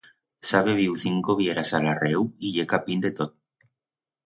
S'ha bebiu cinco bieras a l'arreu y ye capín de tot.